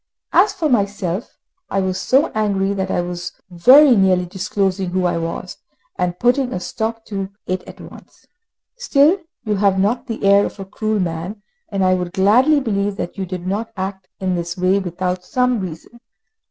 As for myself, I was so angry that I was very nearly disclosing who I was, and putting a stop to it at once. Still, you have not the air of a cruel man, and I would gladly believe that you did not act in this way without some reason.